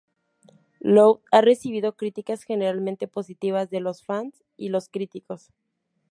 Loud ha recibido críticas generalmente positivas de los fanes y los críticos.